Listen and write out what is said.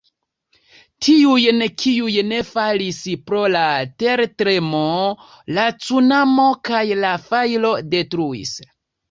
Tiujn, kiuj ne falis pro la tertremo, la cunamo kaj la fajro detruis.